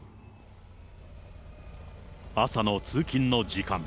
朝の通勤の時間。